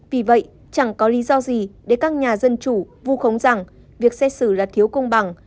vì vậy chẳng có lý do gì để các nhà dân chủ vu khống rằng việc xét xử là thiếu công bằng